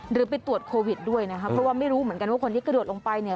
หรือไปตรวจโควิดด้วยนะคะเพราะว่าไม่รู้เหมือนกันว่าคนที่กระโดดลงไปเนี่ย